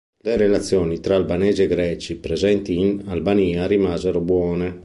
Le relazioni tra albanesi e greci presenti in Albania rimasero buone.